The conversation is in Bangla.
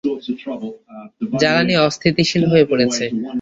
জ্বালানী অস্থিতিশীল হয়ে পড়েছে।